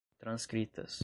transcritas